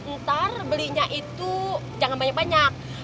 ntar belinya itu jangan banyak banyak